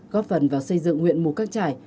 góp phần vào xây dựng huyện mù căng trải